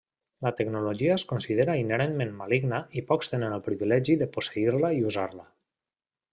La tecnologia és considerada inherentment maligna i pocs tenen el privilegi de posseir-la i usar-la.